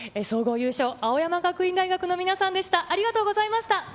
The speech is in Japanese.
総合優勝、青山学院大学の皆さんでした。